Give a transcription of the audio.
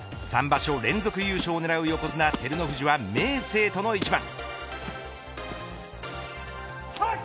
３場所連続優勝を狙う横綱、照ノ富士は明生との一番。